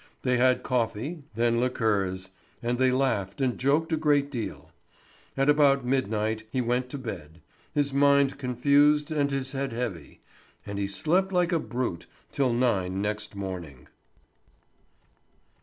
They had coffee, then liqueurs, and they laughed and joked a great deal. At about midnight he went to bed, his mind confused and his head heavy; and he slept like a brute till nine next morning.